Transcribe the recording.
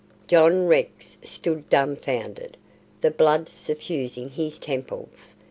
John Rex stood dumbfounded, the blood suffusing his temples.